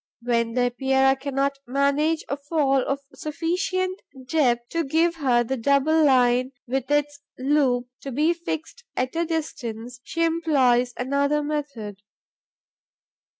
When the Epeira cannot manage a fall of sufficient depth to give her the double line with its loop to be fixed at a distance, she employs another method.